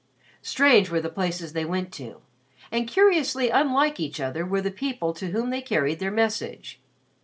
'" Strange were the places they went to and curiously unlike each other were the people to whom they carried their message.